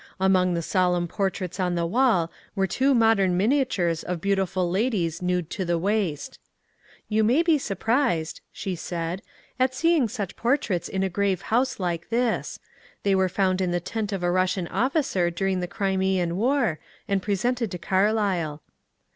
Among the solemn portraits on the wall were two modem miniatures of beautiful ladies nude to the waist. ^^ You may be surprised,*' she said, ^^ at seeing such portraits in a grave house like this. They were found in the tent of a Russian officer during the Crimean war, and presented to Carlyle."